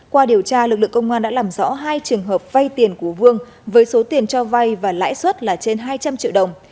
qua điều tra lực lượng công an đã làm rõ hai trường hợp vay tiền của vương với số tiền cho vay và lãi suất là trên hai trăm linh triệu đồng